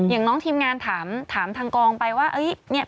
อย่างน้องทีมงานถามทางกองไปว่า